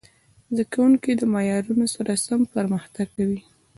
زده کوونکي د معیارونو سره سم پرمختګ کاوه.